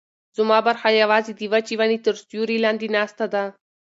زما برخه یوازې د وچې ونې تر سیوري لاندې ناسته ده.